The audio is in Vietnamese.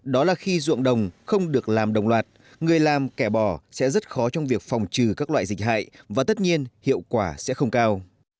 đó là khi ruộng đồng không được làm đồng loạt người làm kẻ bò sẽ rất khó trong việc phòng trừ các loại dịch hại và tất nhiên hiệu quả sẽ không cao